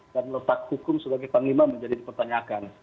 dan letak hukum sebagai pengimang menjadi pertanyaan